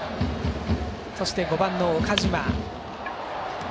そして、５番の岡島。